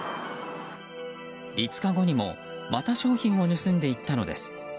５日後にも、また商品を盗んでいったのです。